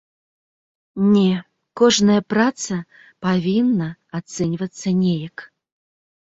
Не, кожная праца павінна ацэньвацца неяк.